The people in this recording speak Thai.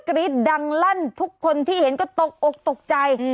กรี๊ดดังลั่นทุกคนที่เห็นก็ตกอกตกใจ